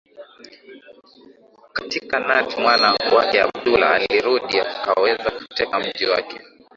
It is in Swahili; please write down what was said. katika Najd mwana wake Abdullah alirudi akaweza kuteka mji wa